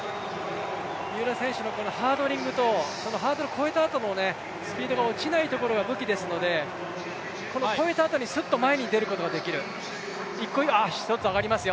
三浦選手のハードリングと、ハードルを越えたあともスピードが落ちないところが武器ですので、越えたあとにすっと前に出ることができる。